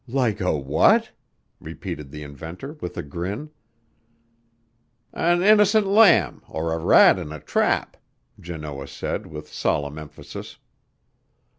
"Like a what?" repeated the inventor with a grin. "An innocent lamb, or a rat in a trap," Janoah said with solemn emphasis.